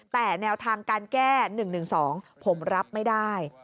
แต่แนวทางการแก้๑๑๒ผมรับไม่ได้